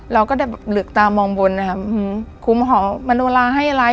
เราก็แบบเหลือกตามองบนนะครับครูหมอมโมโลลาให้อะไร